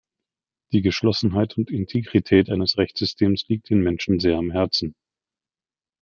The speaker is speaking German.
Die Geschlossenheit und Integrität eines Rechtssystems liegt den Menschen sehr am Herzen.